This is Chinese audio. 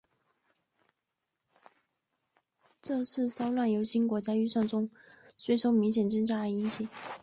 这次骚乱由新国家预算中税收明显增加而引起。